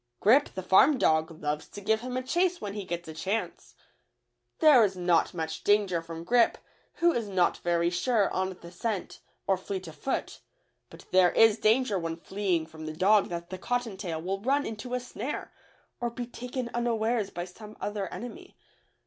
Grip, the farm dog, loves to give him a chase when he gets a chance. There is not much danger from Grip, who is not very sure on the scent or fleet of foot, but there is danger when fleeing from the dog that the cotton tail will run into a snare, or be taken unawares by some other enemy.